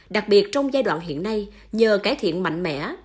đặc biệt trong giai đoạn hiện nay nhờ cải thiện mạnh mẽ